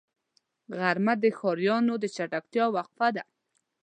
غرمه د ښاريانو د چټکتیا وقفه ده